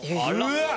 えっ！？